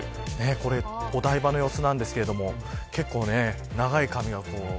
お台場の様子なんですけど結構、長い髪が。